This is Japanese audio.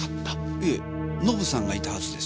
いえのぶさんがいたはずです。